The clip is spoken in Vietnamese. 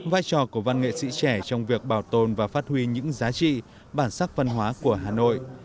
vai trò của văn nghệ sĩ trẻ trong việc bảo tồn và phát huy những giá trị bản sắc văn hóa của hà nội